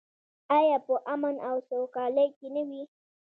آیا په امن او سوکالۍ کې نه وي؟